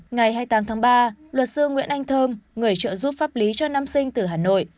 ngày hai mươi tám tháng ba luật sư nguyễn anh thơm người trợ giúp pháp lý cho nam sinh từ hà nội